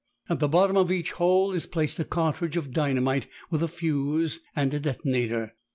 At the bottom of each hole is placed a cartridge of dynamite with a fuse and a detonator.